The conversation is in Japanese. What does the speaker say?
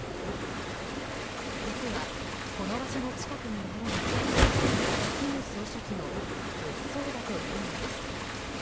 実は、この場所の近くにあるのが金総書記の別荘だというのです。